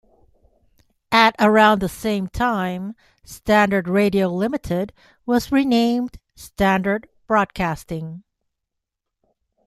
At around the same time, Standard Radio Limited was renamed Standard Broadcasting.